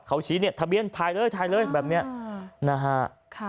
เขาชี้เนี่ยทะเบียนถ่ายเลยถ่ายเลยแบบนี้นะฮะ